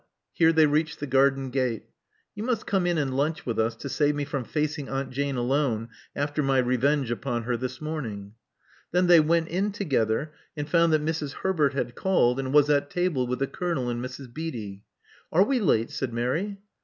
Here they reacheli the garden gate, *'You must come in and lunch with us, to save me from facing Aunt Jane alone after my revenge upon her this morning. '' Then they went in together, and found that Mrs. Herbert had called, and was at table with the Colonel and Mrs. Beatty. Are we late?" said Mary. Mrs.